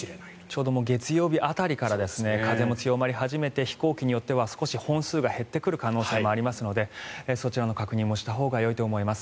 ちょうど月曜日辺りから風も強まり始めて飛行機によっては少し本数が減ってくる可能性もありますのでそちらの確認もしたほうがよいと思います。